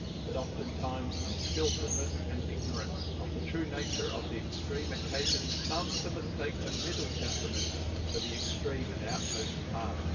But oftentimes un ekilfulness and ignorance of the true nature of the extreme occasions some to mistake the middle temperament for the extreme and outmost part.